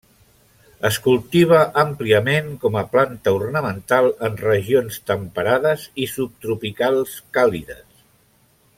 Es cultiva àmpliament com a planta ornamental en regions temperades i subtropicals càlides.